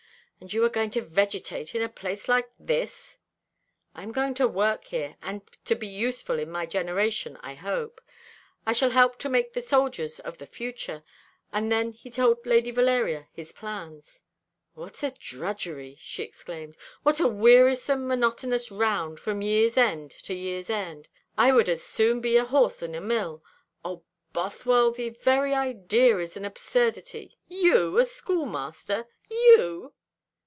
And you are going to vegetate in a place like this?" "I am going to work here, and to be useful in my generation, I hope. I shall help to make the soldiers of the future;" and then he told Lady Valeria his plans. "What a drudgery!" she exclaimed; "what a wearisome monotonous round, from year's end to year's end! I would as soon be a horse in a mill. O Bothwell, the very idea is an absurdity. You a schoolmaster! You!"